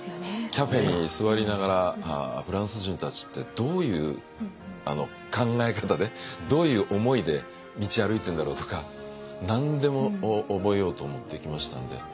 カフェに座りながら「フランス人たちってどういう考え方でどういう思いで道歩いてんだろう」とか何でも覚えようと思って行きましたんで。